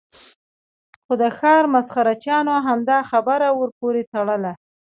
خو د ښار مسخره چیانو همدا خبره ور پورې تړله.